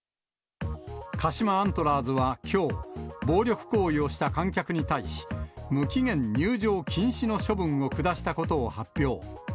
鹿島アントラーズはきょう、暴力行為をした観客に対し、無期限入場禁止の処分を下したことを発表。